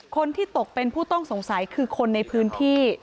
คนที่ตกเป็นผู้ต้องสงสัยคือคนในพื้นที่